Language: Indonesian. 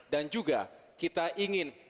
dan juga kita ingin